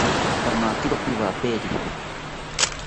Pamakiro piwaperite